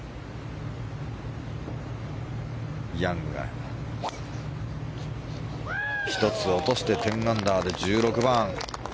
ヤングが１つ落として１０アンダーで１６番。